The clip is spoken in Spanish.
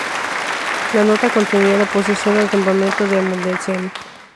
La nota contenía la posición al campamento de Amundsen.